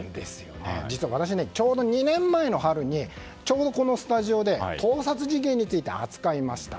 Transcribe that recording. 実は私、ちょうど２年前の春にちょうどこのスタジオで盗撮事件について扱いました。